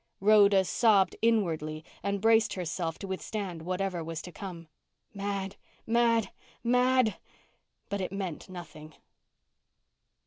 Rhoda sobbed inwardly and braced herself to withstand whatever was to come. Mad! mad! mad! But it meant nothing.